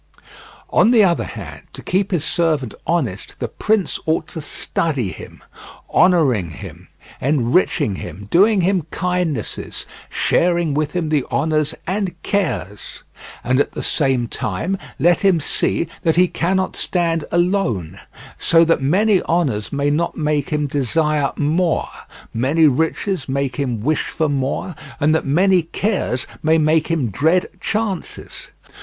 On the other hand, to keep his servant honest the prince ought to study him, honouring him, enriching him, doing him kindnesses, sharing with him the honours and cares; and at the same time let him see that he cannot stand alone, so that many honours may not make him desire more, many riches make him wish for more, and that many cares may make him dread chances.